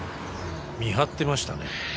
見張ってましたね